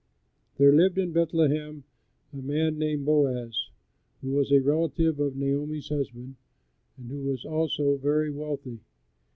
There lived in Bethlehem a man named Boaz, who was a relative of Naomi's husband, and who was also very wealthy.